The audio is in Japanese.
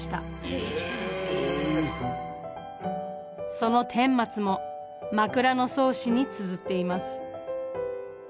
そのてんまつも「枕草子」につづっています。